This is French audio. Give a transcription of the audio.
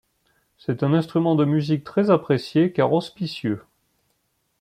C'est un instrument de musique très apprécié, car auspicieux.